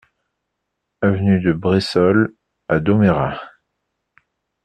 Avenue de Bressolles à Domérat